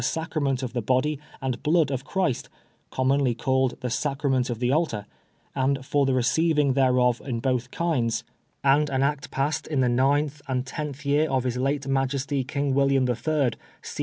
sacrament of the body and blood of Christ, commonly called the sacrament of the altar, and for the receiving thereof in both kinds,* and an Ac t passed in the 14 PRISONER FOR BLA8PHE3iy. 9th and 10th year of his late Majesty King William ELL, c.